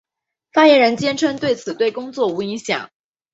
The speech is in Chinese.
发言人坚称此对工作无影响。